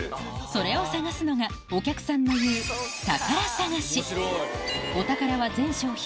それを探すのがお客さんの言うお宝は全商品